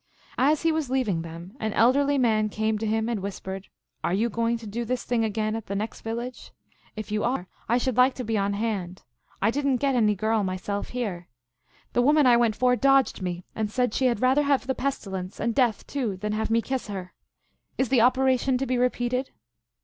As he was leaving them an elderly man came to him and whispered, " Are you going to do this thing again at the next village ? If you are I should like 198 THE ALGONQUIN LEGENDS. to be on hand. I did n t get any girl myself here. The woman I went for dodged me, and said she had rather have the pestilence, and death too, than have me kiss her. Is the operation to be repeated